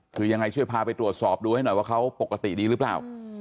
คือยังไงช่วยพาไปตรวจสอบดูให้หน่อยว่าเขาปกติดีหรือเปล่า